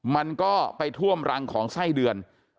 มันก็ไปท่วมรังของไส้เดือน